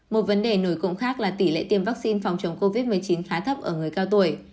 một vấn đề nổi cộng khác là tỷ lệ tiêm vaccine phòng chống covid một mươi chín khá thấp ở người cao tuổi